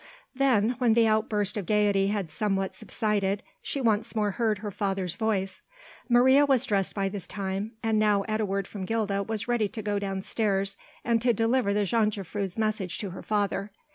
Then when the outburst of gaiety had somewhat subsided she once more heard her father's voice. Maria was dressed by this time, and now at a word from Gilda was ready to go downstairs and to deliver the jongejuffrouw's message to her father.